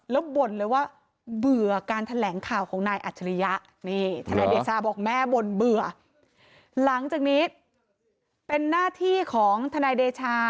แล้วบ่นเลยว่าเบื่อการแถลงข่าวของนายอัจฉริยะ